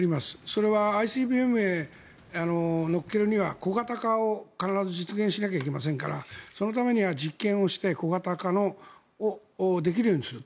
それはＩＣＢＭへ載っけるには小型化を必ず実現しないといけませんからそのためには実験をして小型化できるようにする。